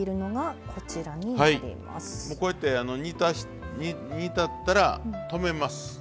もうこうやって煮立ったら止めます。